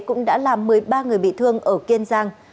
cũng đã làm một mươi ba người bị thương ở kiên giang